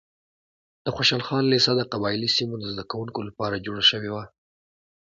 د خوشحال خان لیسه د قبایلي سیمو د زده کوونکو لپاره جوړه شوې وه.